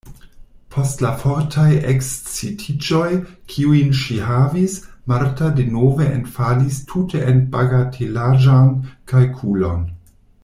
Post la fortaj ekscitiĝoj, kiujn ŝi havis, Marta denove enfalis tute en bagatelaĵan kalkulon.